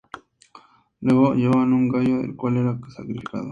Luego llevaban un gallo, el cual era sacrificado.